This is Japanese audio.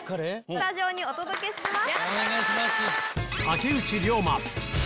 スタジオにお届けしてます。